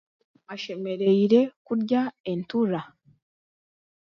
Bashemereire kurya entura.